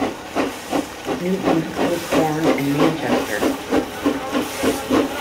Newton was born in Manchester.